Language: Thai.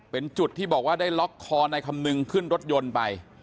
เป็นจุดที่บอกว่าได้ล็อกคอนายคำนึงขึ้นรถยนต์ไป